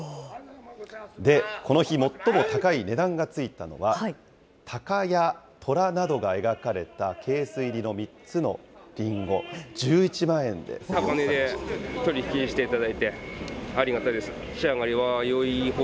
で、この日、最も高い値段がついたのは、タカや虎などが描かれたケース入りの３つのりんご、１１万円で競り落とされました。